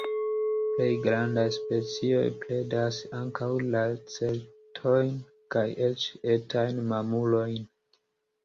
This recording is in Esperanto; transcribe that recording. Plej grandaj specioj predas ankaŭ lacertojn kaj eĉ etajn mamulojn.